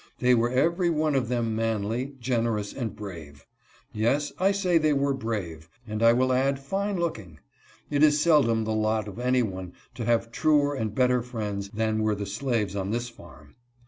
They were every one of them manly, generous and brave. Yes, I say they were brave, and I will add, fine looking. It is seldom the lot of any one to have truer and better friends than were the slaves on this farm.